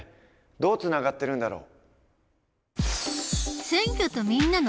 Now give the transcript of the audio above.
どうつながってるんだろう？